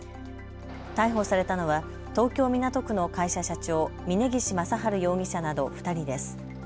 逮捕されたのは東京港区の会社社長、峯岸正治容疑者など２人です。